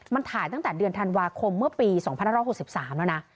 มันถ่ายตั้งแต่เดือนธันวาคมเมื่อปี๒๕๖๓แล้วนะ